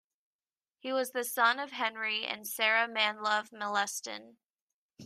He was the son of Henry and Sarah Manlove Molleston.